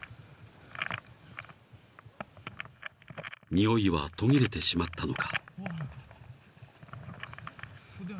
［においは途切れてしまったのか］